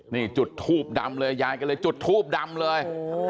นี่จุดทูบดำเลยยายก็เลยจุดทูบดำเลย